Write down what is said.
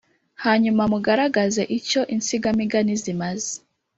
hanyuma mugaragaze icyo insigamigani zimaze